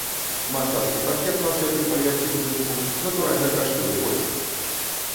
Мастацкі паркет на ўсе тры паверхі будынку, натуральна, каштуе больш.